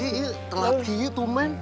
ini pelatih itu men